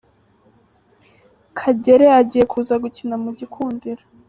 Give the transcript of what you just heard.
Kagere agiye kuza gukina muri gikundiro